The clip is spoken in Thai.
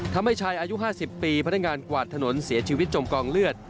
ทำให้ชายอายุ๕๐ปีพนักงานกวาดถนนเสียชีวิตจมกองเลือด